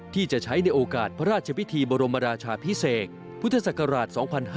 ที่จะใช้ในโอกาสพระราชพิธีบรมราชาพิเศษพุทธศักราช๒๕๕๙